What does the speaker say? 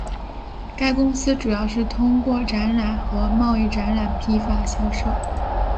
该公司主要是通过展示和贸易展览批发销售。